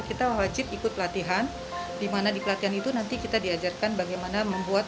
kita wajib ikut latihan dimana di pelatihan itu nanti kita diajarkan bagaimana membuat